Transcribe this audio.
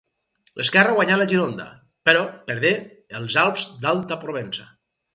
L'esquerra guanyà la Gironda, però perdé els Alps d'Alta Provença.